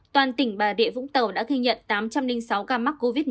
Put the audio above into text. toàn tỉnh bà rịa vũng tàu đã ghi nhận tám trăm linh sáu ca mắc covid một mươi chín